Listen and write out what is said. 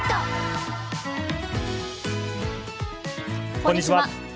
こんにちは。